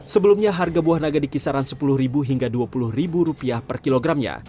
sebelumnya harga buah naga dikisaran sepuluh hingga dua puluh rupiah per kilogramnya